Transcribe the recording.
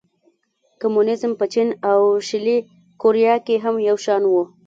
کمونېزم په چین او شلي کوریا کې هم یو شان و.